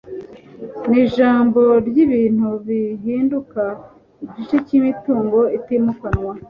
Nijambo ryibintu, bihinduka igice cyimitungo itimukanwa